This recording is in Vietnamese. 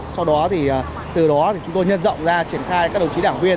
sau đó thì từ đó chúng tôi nhân rộng ra triển khai các đồng chí đảng viên